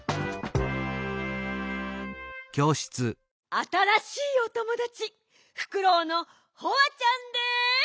あたらしいおともだちフクロウのホワちゃんです！